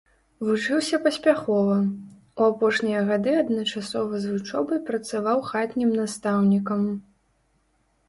Вучыўся паспяхова, у апошнія гады адначасова з вучобай працаваў хатнім настаўнікам.